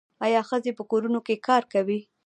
آیا ښځې په کورونو کې کار کوي؟